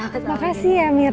terima kasih amir